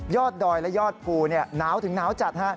ดอยและยอดภูหนาวถึงหนาวจัด